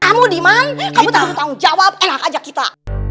kamu demand kamu tanggung jawab enak aja kita